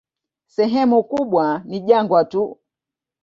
Sehemu kubwa ni jangwa tu.